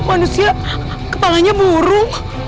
manusia kepangannya burung